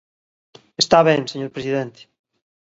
Está ben, señor presidente.